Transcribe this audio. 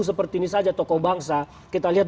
seperti ini saja tokoh bangsa kita lihat